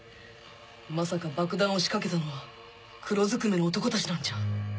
まさか爆弾を仕掛けたのは黒ずくめの男たちなんじゃ